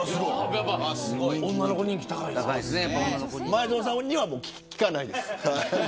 前園さんにはもう聞かないです。